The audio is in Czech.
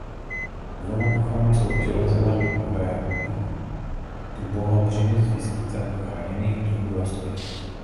Důvodem ochrany jsou přirozené lipové dubohabřiny s výskytem chráněných druhů rostlin.